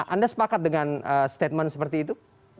anda sepakat dengan statement seperti itu